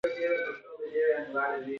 دا خبره پخوا هیچا نه وه اورېدلې.